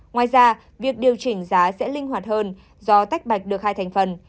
ngoài ra việc điều chỉnh giá sẽ linh hoạt hơn do tách bạch được hai thành phần